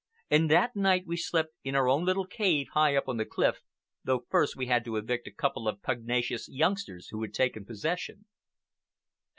And that night we slept in our own little cave high up on the cliff, though first we had to evict a couple of pugnacious youngsters who had taken possession.